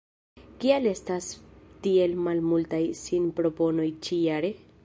Kial estas tiel malmultaj sinproponoj ĉi-jare?